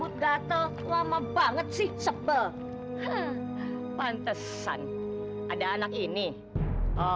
gan kan tau sama yang lain desanya dan saya lebih coba